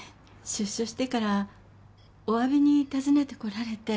出所してからおわびに訪ねてこられて。